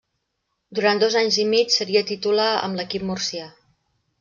Durant dos anys i mig seria titular amb l'equip murcià.